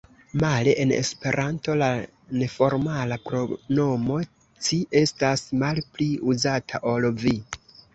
Male en Esperanto, la neformala pronomo „ci“ estas malpli uzata ol „vi“.